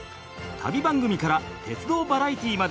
旅番組から鉄道バラエティーまで！